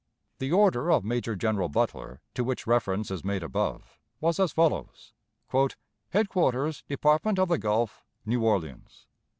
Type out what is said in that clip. The order of Major General Butler, to which reference is made above, was as follows: "HEADQUARTERS, DEPARTMENT OF THE GULF, NEW ORLEANS.